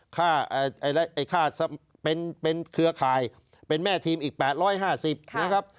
ค่าเป็นเครือข่ายเป็นแม่ทีมอีก๘๕๐นะครับ